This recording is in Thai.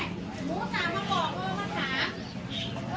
หนูสามาร์บบอกเออมันสา